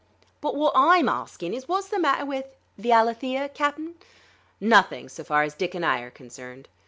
"But wot I'm arskin' is, wot's the matter with " "The Alethea, Cap'n? Nothing, so far as Dick and I are concerned.